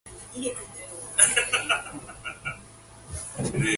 A redesigned guitar bearing the same name followed.